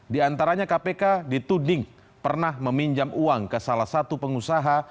di antaranya kpk dituding pernah meminjam uang ke salah satu pengusaha